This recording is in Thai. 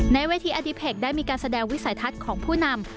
ในเวทีอดิเพคได้มีการแสดงวิสัยทัศน์ของผู้นำ